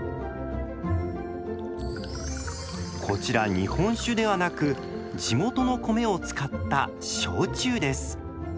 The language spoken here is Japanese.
こちら日本酒ではなく地元の米を使った焼酎です。